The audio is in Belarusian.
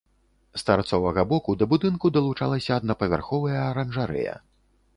З тарцовага боку да будынку далучалася аднапавярховая аранжарэя.